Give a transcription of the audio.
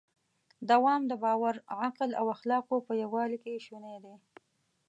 دوام د باور، عقل او اخلاقو په یووالي کې شونی دی.